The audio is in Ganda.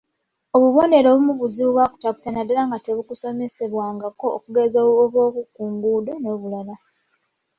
Obubonero obumu buzibu bwa kutaputa naddala nga tebukusomesebwangako okugeza obw’oku nguudo n’obulala .